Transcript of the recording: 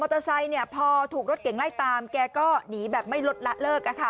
มอเตอร์ไซค์เนี่ยพอถูกรถเก๋งไล่ตามแกก็หนีแบบไม่ลดละเลิกค่ะ